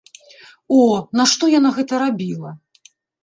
О, нашто яна гэта рабіла!